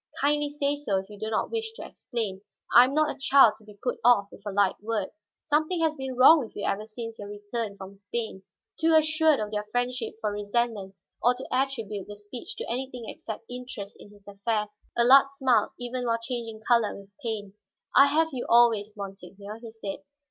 "Kindly say so if you do not wish to explain; I am not a child to be put off with a light word. Something has been wrong with you ever since your return from Spain." Too assured of their friendship for resentment or to attribute the speech to anything except interest in his affairs, Allard smiled even while changing color with pain. "I have you always, monseigneur," he said.